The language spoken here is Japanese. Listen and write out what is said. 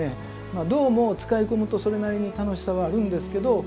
銅も使い込むとそれなりに楽しさはあるんですけど